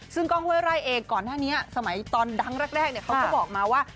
ซึ่งกล้องห้วยไร่เองก่อนหน้านี้สมัยตอนดังแรกเขาก็บอกมาว่า